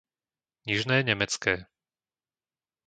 Nižné Nemecké